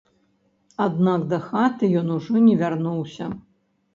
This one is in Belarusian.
Аднак дахаты ён ужо не вярнуўся.